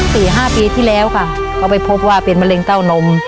๔๕ปีที่แล้วค่ะก็ไปพบว่าเป็นมะเร็งเต้านม